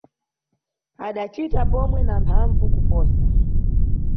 – Adacita pomwe, na mphambvu kuposa.